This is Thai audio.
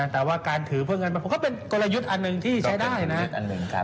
แต่ว่าการถือเพิ่มเงินมันก็เป็นกลยุทธ์อันหนึ่งที่ใช้ได้นะ